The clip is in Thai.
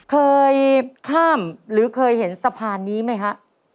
เคยข้ามหรือเคยเห็นสะพานนี้ไหมฮะ